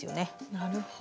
なるほど。